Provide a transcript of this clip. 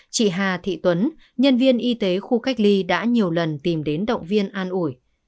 chị hà thị tuấn nhân viên y tế khu cách ly đã nhiều lần tìm đến động viên an ủi